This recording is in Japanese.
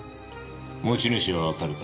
持ち主はわかるか？